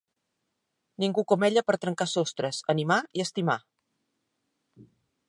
Ningú com ella per trencar sostres, animar i estimar.